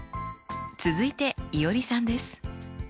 続いていおりさんです。